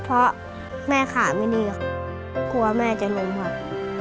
เพราะแม่ขาไม่ดีควรว่าแม่จะห่วงความ